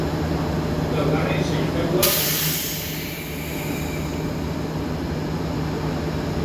Laugarren sailkatua puntu bira dauka egun talde zuri-gorriak.